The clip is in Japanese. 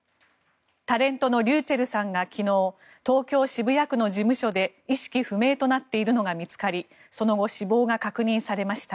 タレントのｒｙｕｃｈｅｌｌさんが昨日東京・渋谷区の事務所で意識不明となっているのが見つかりその後、死亡が確認されました。